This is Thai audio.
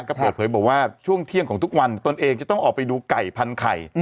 ก็เปิดเผยบอกว่าช่วงเที่ยงของทุกวันตนเองจะต้องออกไปดูไก่พันไข่